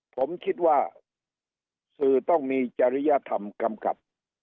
ผมคิดว่าสื่อต้องมีจริยธรรมกำกับ